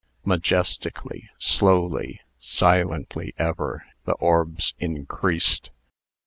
Majestically, slowly, silently ever, the orbs increased.